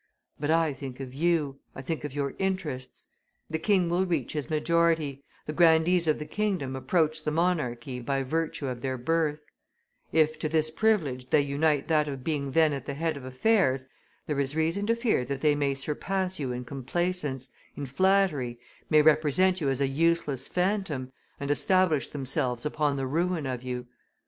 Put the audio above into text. But I think of you, I think of your interests. The king will reach, his majority, the grandees of the kingdom approach the monarque by virtue of their birth; if to this privilege they unite that of being then at the head of affairs, there is reason to fear that they may surpass you in complaisance, in flattery, may represent you as a useless phantom, and establish themselves upon the ruin of you.